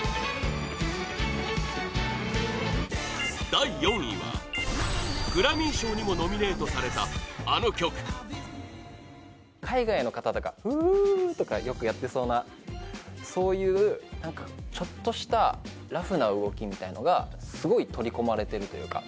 第４位は、グラミー賞にもノミネートされたあの曲ＮＯＰＰＯ：海外の方とかフー！とかよくやってそうなそういうちょっとしたラフな動きみたいなのがすごい取り込まれているというか。